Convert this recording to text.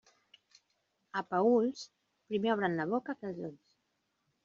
A Paüls, primer obren la boca que els ulls.